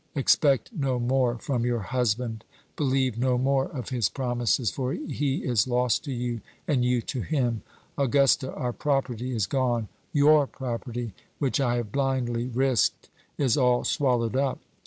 expect no more from your husband believe no more of his promises for he is lost to you and you to him. Augusta, our property is gone; your property, which I have blindly risked, is all swallowed up.